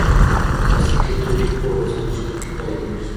پلاستيکي توکي په ورځني ژوند کې کارېږي.